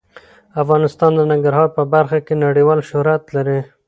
افغانستان د ننګرهار په برخه کې نړیوال شهرت لري.